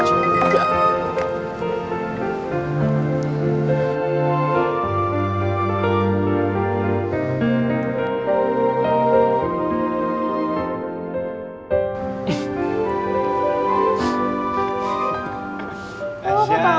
hmm lumayan sih